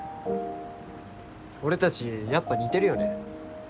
俺たちやっぱ似てるよね？